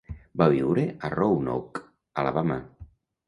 Va viure a Roanoke, Alabama.